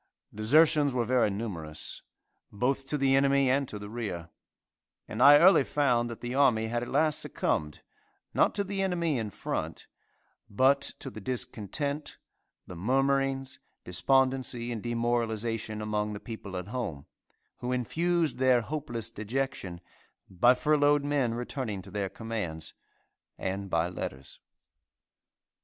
Desertions were very numerous, both to the enemy and to the rear, and I early found that the army had at last succumbed, not to the enemy in front, but to the discontent, the murmurings, despondency and demoralization among the people at home, who infused their hopeless dejection, by furloughed men returning to their commands, and by letters.